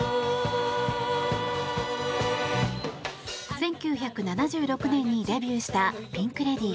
１９７６年にデビューしたピンク・レディー。